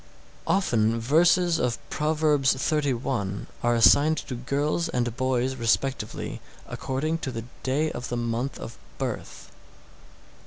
695. Often verses of Proverbs xxxi. are assigned to girls and boys respectively according to the day of the month of the birth.